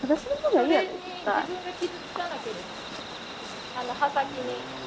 それに自分が傷つかなければ刃先に。